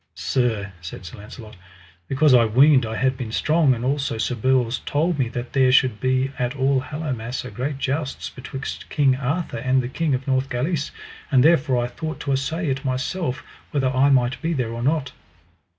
Sir, said Sir Launcelot, because I weened I had been strong, and also Sir Bors told me that there should be at All Hallowmass a great jousts betwixt King Arthur and the King of Northgalis, and therefore I thought to assay it myself whether I might be there or not.